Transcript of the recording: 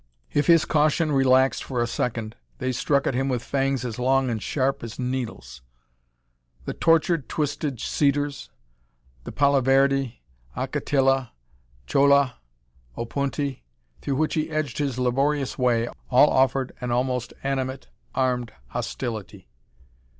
If his caution relaxed for a second, they struck at him with fangs as long and sharp as needles. The tortured, twisted cedars, the paloverdi, occatilla, cholla, opunti, through which he edged his laborious way, all offered an almost animate, armed hostility.